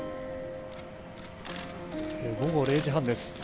午後０時半です。